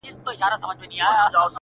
دا سړی چي درته ځیر دی مخامخ په آیینه کي,